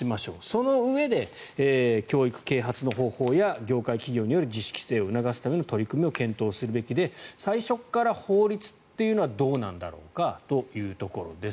そのうえで教育・啓発の方法や業界・企業による自粛性を促すための取り組みを検討するべきで最初から法律というのはどうなんだろうかというところです。